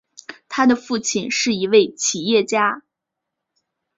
他的父亲是一位企业家。